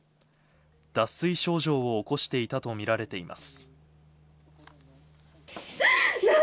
脱水症状を起こしていたとみられています。